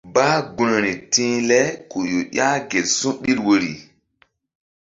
Bah gunri ti̧h le ku ƴah gel su̧ɓil woyri.